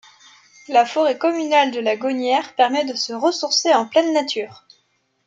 La forêt communale de la Gonière permet de se ressourcer en pleine nature.